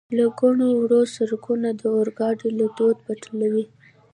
له ګڼو وړو سړکونو، د اورګاډي له دوو پټلیو.